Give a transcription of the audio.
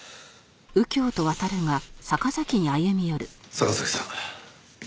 坂崎さん